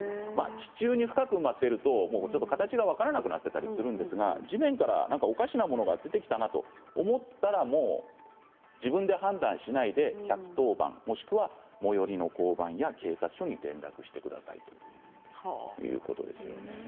地中深くに埋まってると形が分からなくなっていたりするんですが地面からおかしなものが出てきたなと思ったら自分で判断しないで１１０番もしくは最寄りの交番や警察署に連絡をしてくださいということです。